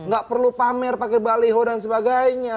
gak perlu pamer pakai baliho dan sebagainya